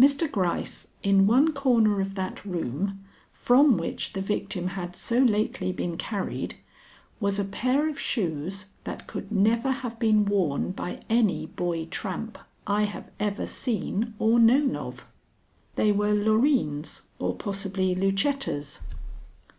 Mr. Gryce, in one corner of that room, from which the victim had so lately been carried, was a pair of shoes that could never have been worn by any boy tramp I have ever seen or known of." "They were Loreen's, or possibly Lucetta's."